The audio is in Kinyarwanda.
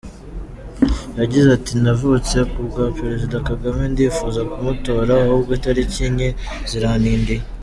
Yagize ati “Navutse ku bwa Perezida Kagame ndifuza kumutora ahubwo itariki enye zirantindiye.